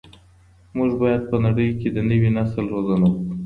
موږ باید په نړۍ کي د نوي نسل روزنه وکړو.